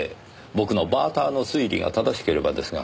僕のバーターの推理が正しければですが。